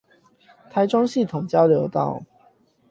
台中系統交流道